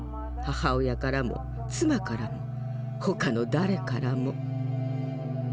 母親からも妻からも他の誰からも。